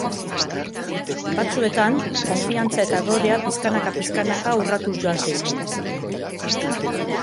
Batzuetan, konfiantza eta adorea pixkanaka-pixkanaka urratuz joan zaizkit